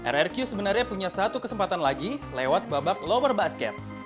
rrq sebenarnya punya satu kesempatan lagi lewat babak lower basket